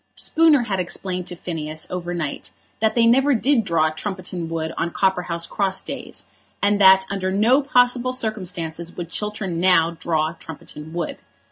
Spooner had explained to Phineas over night that they never did draw Trumpeton Wood on Copperhouse Cross days, and that under no possible circumstances would Chiltern now draw Trumpeton Wood.